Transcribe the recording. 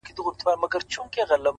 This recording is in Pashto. فريادي داده محبت کار په سلگيو نه سي،